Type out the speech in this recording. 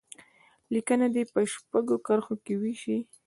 لیکنه دې په شپږو کرښو کې وشي.